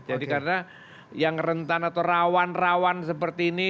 jadi karena yang rentan atau rawan rawan seperti ini